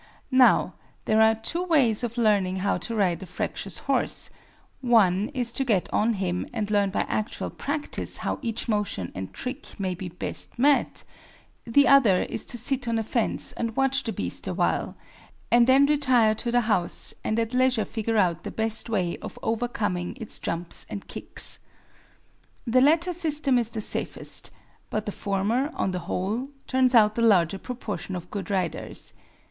Now, there are two ways of learning how to ride a fractious horse: one is to get on him and learn by actual practice how each motion and trick may be best met; the other is to sit on a fence and watch the beast awhile, and then retire to the house and at leisure figure out the best way of overcoming his jumps and kicks. The latter system is the safest; but the former, on the whole, turns out the larger proportion of good riders.